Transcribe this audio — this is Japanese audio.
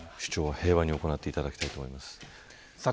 平和に行っていただきたいと思います。